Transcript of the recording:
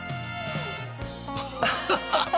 ハハハハ！